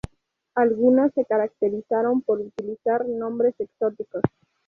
Algunas se caracterizaron por utilizar nombres exóticos.